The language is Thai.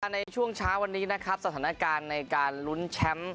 ในช่วงเช้าวันนี้นะครับสถานการณ์ในการลุ้นแชมป์